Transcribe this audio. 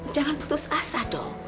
jangan putus asa dong